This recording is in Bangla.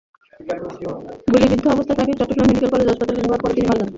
গুলিবিদ্ধ অবস্থায় তাঁকে চট্টগ্রাম মেডিকেল কলেজ হাসপাতালে নেওয়ার পথে তিনি মারা যান।